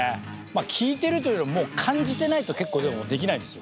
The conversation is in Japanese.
聴いてるというよりはもう感じてないと結構できないですよ